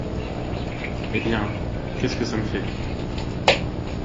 Eh bien, qu’est-ce que ça me fait ?